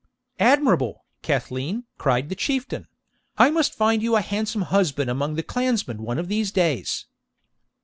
'] 'Admirable, Cathleen!' cried the Chieftain; 'I must find you a handsome husband among the clansmen one of these days.'